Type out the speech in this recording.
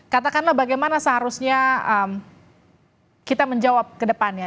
katakanlah bagaimana seharusnya kita menjawab kedepannya